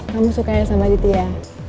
kamu sukanya sama aditya